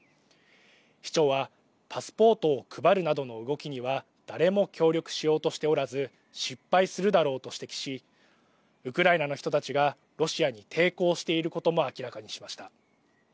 市長はパスポートを配るなどの動きには誰も協力しようとしておらず失敗するだろうと指摘しウクライナの人たちがロシアに抵抗していることも明らかにしました。